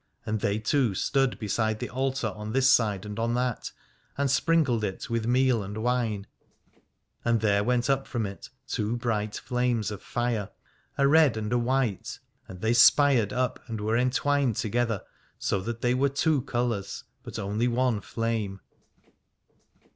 And they two stood beside the altar on this side and on that, and sprinkled it with meal and wine ; and there went up from it two bright flames of fire, a red and a white, and they spired up and were entwined together so that they were two colours but one only flame.